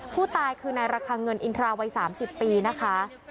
ผู้ตายคือนายระคังเงินอินทราวัย๓๐ปีนะคะ